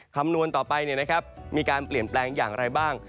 คำนวณต่อไปมีการเปลี่ยนแปลงอย่างไรบ้าง